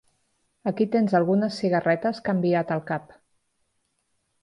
Aquí tens algunes cigarretes que ha enviat el cap.